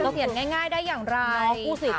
เสียงง่ายได้อย่างไร